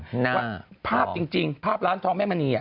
ว่าภาพจริงภาพร้านทองแม่มณี